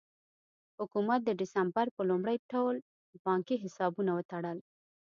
حکومت د ډسمبر په لومړۍ ټول بانکي حسابونه وتړل.